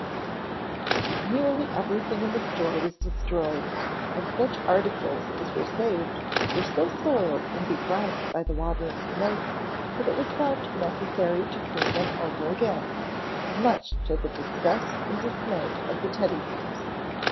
Nearly everything in the store was destroyed, and such articles as were saved were so soiled and begrimed by the water and smoke that it was found necessary to clean them over again, much to the disgust and dismay of the Teddy bears.